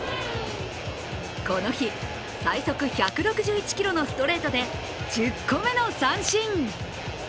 この日、最速１６１キロのストレートで１０個目の三振。